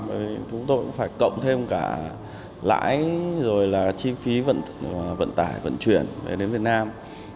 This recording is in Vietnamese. bởi vì chúng tôi cũng phải cộng thêm cả lãi rồi là chi phí vận tải vận chuyển về đến việt nam